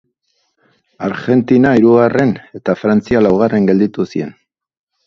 Argentina hirugarren eta Frantzia laugarren gelditu ziren.